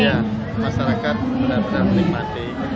iya masyarakat benar benar menikmati